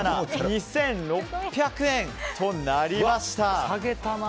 ２６００円となりました。